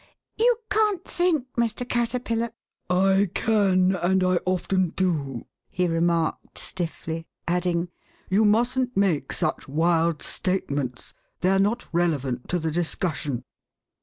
'*You can't think, Mr. Caterpillar ——"*' I can, and I often do," he remarked stiffly ; adding, You mustn't make such wild statements. They're not relevant to the discussion."